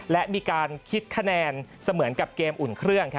และมีการคิดคะแนนเสมือนกับเกมอุ่นเครื่อง